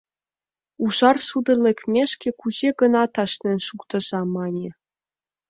«Ужар шудо лекмешке кузе-гынат ашнен шуктыза», — мане.